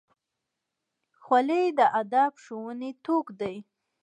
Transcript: خولۍ د ادب ښوونې توک دی.